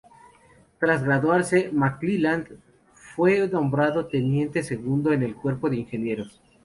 Tras graduarse, McClellan fue nombrado teniente segundo en el cuerpo de ingenieros.